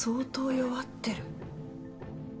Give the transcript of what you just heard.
弱ってる？